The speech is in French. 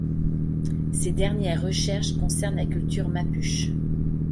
Ses dernières recherches concernent la culture mapuche.